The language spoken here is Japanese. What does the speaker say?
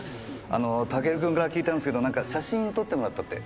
あのタケル君から聞いたんですけど何か写真撮ってもらったって。